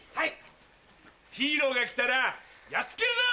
ヒーローが来たらやっつけるぞ！